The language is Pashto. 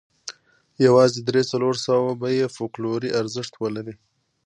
یوازې درې څلور سوه به یې فوکلوري ارزښت ولري.